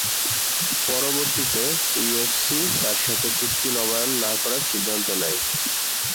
পরবর্তীতে, ইউএফসি তার সাথে চুক্তি নবায়ন না করার সিদ্ধান্ত নেয়।